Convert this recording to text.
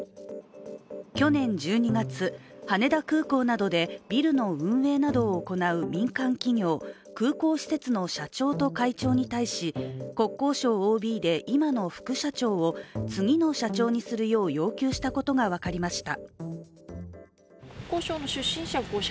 去年１２月、羽田空港などでビルの運営などを行う民間企業、空港施設の社長と会長に対し国交省ＯＢで今の副社長を、次の社長にするよう要求したことが分かりました。